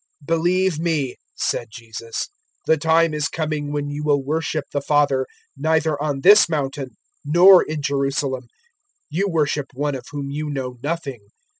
004:021 "Believe me," said Jesus, "the time is coming when you will worship the Father neither on this mountain nor in Jerusalem. 004:022 You worship One of whom you know nothing.